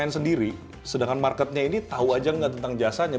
bn sendiri sedangkan marketnya ini tahu aja nggak tentang jasanya